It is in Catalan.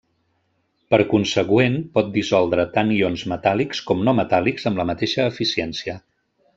Per consegüent, pot dissoldre tant ions metàl·lics com no metàl·lics amb la mateixa eficiència.